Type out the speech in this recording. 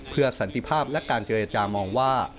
เพื่อสันติภาพและการเจรจามองว่า